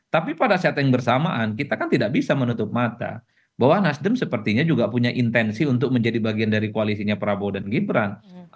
tapi pada saat yang bersamaan kita kan tidak bisa menutup mata bahwa nasdem sepertinya juga punya intensi untuk menjadi bagian dari koalisinya prabowo dan gibran